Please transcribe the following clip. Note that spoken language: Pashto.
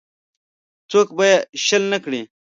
څوک به یې شل نه کړي.